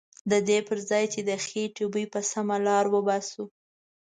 ددې پرځای چې د خیټې بوی په سمه لاره وباسو.